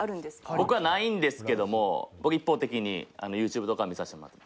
僕はないんですけども一方的にＹｏｕＴｕｂｅとか見させてもらってて。